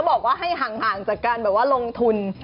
ก็บอกว่าให้ห่างจากการลงทุน